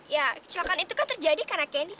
ya kecelakaan itu kan terjadi karena kenny